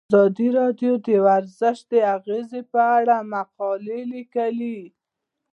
ازادي راډیو د ورزش د اغیزو په اړه مقالو لیکلي.